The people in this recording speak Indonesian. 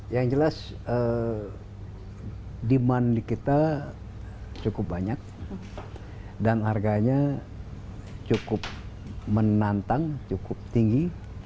yang jelas demand di kita cukup banyak dan harganya cukup menantang cukup tinggi